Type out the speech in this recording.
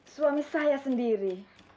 suami saya sendiri